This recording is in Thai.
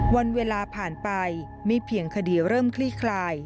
วันเวลาผ่านไปไม่เพียงคดีเริ่มคลี่คลาย